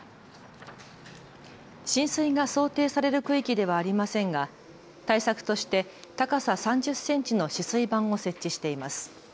浸水が想定される区域ではありませんが対策として高さ３０センチの止水板を設置しています。